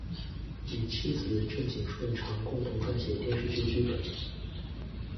与妻子郑景顺常共同撰写电视剧剧本。